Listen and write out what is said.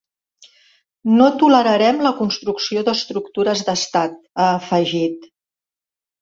No tolerarem la construcció d’estructures d’estat, ha afegit.